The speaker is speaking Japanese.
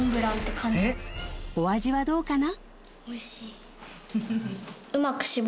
お味はどうかな